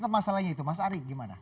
masalahnya itu mas ari gimana